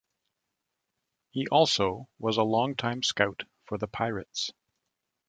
He also was a longtime scout for the Pirates.